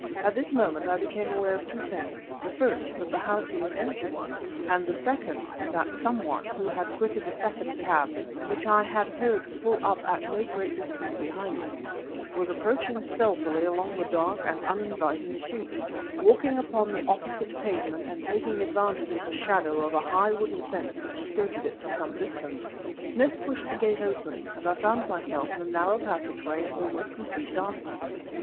At this moment I became aware of two things; the first, that the house was an empty one, and the second, that some one some one who had quitted the second cab (which I had heard pull up at no great distance behind us) was approaching stealthily along the dark and uninviting street, walking upon the opposite pavement and taking advantage of the shadow of a high wooden fence which skirted it for some distance. Smith pushed the gate open, and I found myself in a narrow passageway in almost complete darkness.